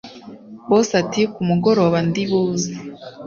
boss ati”kumugoroba ndibuze